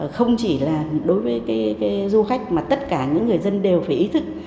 không chỉ là đối với du khách mà tất cả những người dân đều phải ý thức